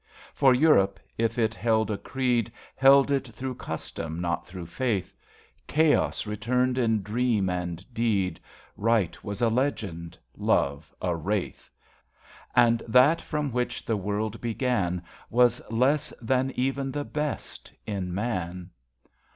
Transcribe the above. For Europe, if it held a creed, Held it thro custom, not thro' faith. Chaos returned in dream and deed, Right was a legend — Love, a wraith; And That from which the world began Was less than even the best in man.